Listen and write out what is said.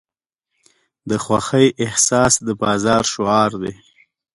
د خوښۍ احساس د بازار شعار دی.